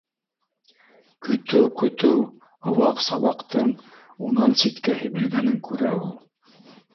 Көтөү-көтөү ваҡ сабаҡтың унан ситкә һибелгәнен күрә ул